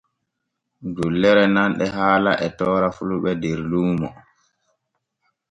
Dullere nanɗe haala e toora fulɓe der luuno.